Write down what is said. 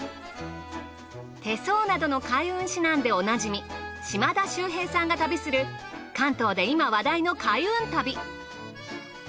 手相などの開運指南でおなじみ島田秀平さんが旅する関東で今話題の開運旅。